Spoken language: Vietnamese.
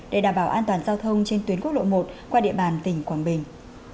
để đảm bảo an toàn giao thông trên tuyến quốc lộ một qua địa bàn tỉnh quảng bình